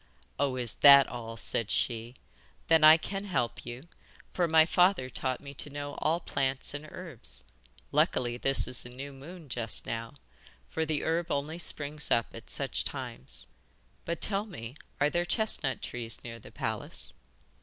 'Oh, is that all,' said she, 'then I can help you, for my father taught me to know all plants and herbs. Luckily this is a new moon just now, for the herb only springs up at such times. But tell me, are there chestnut trees near the palace?